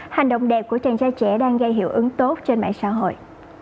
hành động đẹp của chàng trai trẻ đang gây hiệu ứng tốt trên mạng xã hội